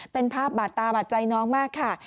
เป็นภาพบาดตาบาดใจน้องมากค่ะ